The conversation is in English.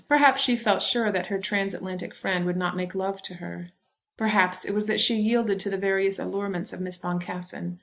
Perhaps she felt sure that her transatlantic friend would not make love to her. Perhaps it was that she yielded to the various allurements of Miss Boncassen.